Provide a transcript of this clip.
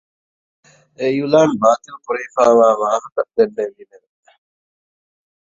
އެ އިއުލާން ބާތިލްކުރެވިފައިވާ ވާހަކަ ދެންނެވީމެވެ.